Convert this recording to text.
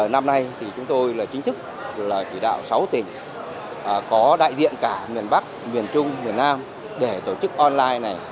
năm nay chúng tôi chính thức chỉ đạo sáu tỉnh có đại diện cả miền bắc miền trung miền nam để tổ chức online này